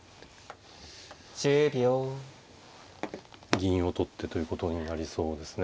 銀を取ってということになりそうですね。